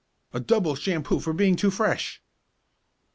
"A double shampoo for being too fresh!"